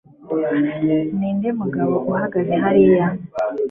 ninde mugabo uhagaze hariya